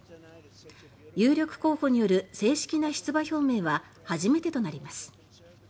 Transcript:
有力候補による正式な出馬表明は初めてとなります。